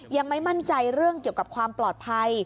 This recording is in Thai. ยังไม่มั่นใจเรื่องเกี่ยวกับความปลอดภัย